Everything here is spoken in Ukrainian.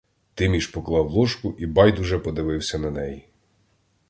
Тиміш поклав ложку і байдуже подивився на неї.